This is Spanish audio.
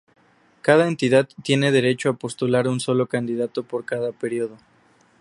Cada entidad tiene derecho a postular un solo candidato por cada período.